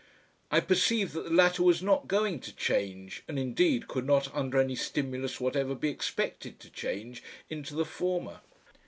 I perceived that the latter was not going to change, and indeed could not under any stimulus whatever be expected to change, into the former.